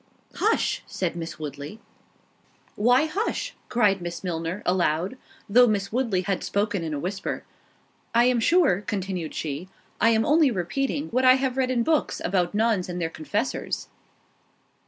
"Hush!" said Miss Woodley. "Why hush?" cried Miss Milner, aloud, though Miss Woodley had spoken in a whisper, "I am sure," continued she, "I am only repeating what I have read in books about nuns and their confessors."